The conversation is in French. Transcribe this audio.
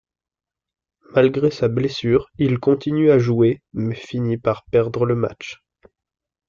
Malgré sa blessure, il continue à jouer, mais finit par perdre le match.